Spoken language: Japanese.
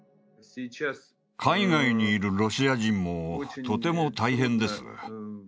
海外にいるロシア人もとても大変です。